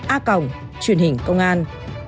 a truyền hình công an